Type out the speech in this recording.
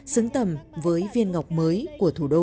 xứng tầm với viên ngọc mới của thủ đô